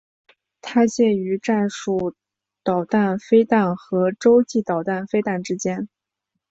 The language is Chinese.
它介于战术弹道飞弹和洲际弹道飞弹之间。